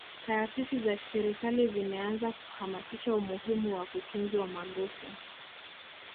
taasisi za kiserikali zimeanza kuhamasisha umuhimu wa kutunzwa magofu